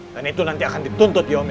dan itu nanti akan dituntut di umil akhir